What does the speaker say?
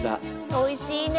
おいしいね。